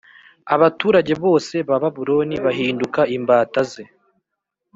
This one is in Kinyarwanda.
Abaturage bose ba Babuloni bahinduka imbata ze